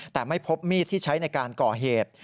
แต่ไม่พบมีดที่ใช้ในการก่อเหตุ